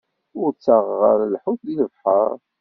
Ur ttaɣeɣ ara lḥut deg lebḥeṛ.